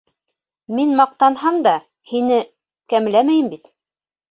Мин маҡтанһам да, һине кәмләмәйем бит.